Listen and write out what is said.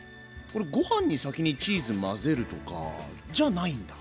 これご飯に先にチーズ混ぜるとかじゃないんだ。